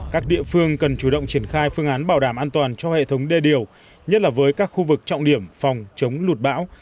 các địa phương cần chủ động triển khai phương án bảo đảm an toàn cho hệ thống đê điều nhất là với các khu vực trọng điểm phòng chống lụt bão